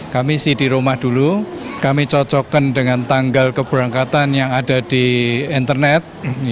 kami isi di rumah dulu kami cocokkan dengan tanggal keberangkatan yang ada di internet